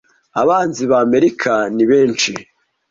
Abanzi ba amerika ni benshi